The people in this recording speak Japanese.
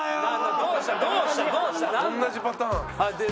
同じパターン。